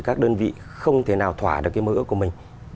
các đơn vị không thể nào thỏa được cái mơ ước của mình